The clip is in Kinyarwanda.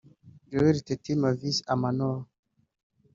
Joel Tetteh Mavis Amanor